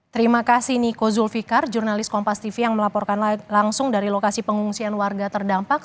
terima kasih niko zulfikar jurnalis kompas tv yang melaporkan langsung dari lokasi pengungsian warga terdampak